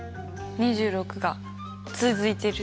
２６が続いてる？